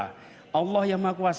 bagian kita adalah berikhtiar dan berdoa